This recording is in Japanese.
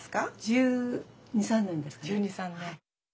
１２１３年ですかね。